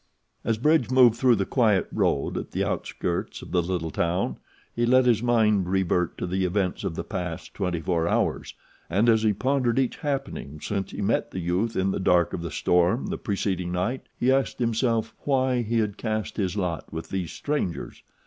As Bridge moved through the quiet road at the outskirts of the little town he let his mind revert to the events of the past twenty four hours and as he pondered each happening since he met the youth in the dark of the storm the preceding night he asked himself why he had cast his lot with these strangers.